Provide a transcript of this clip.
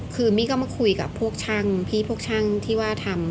คือมี่ก็มาคุยกับพวกช่างพี่พวกช่างที่ว่าทำ